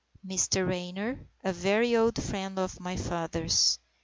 "Mr Raynor, a very old friend of my father's.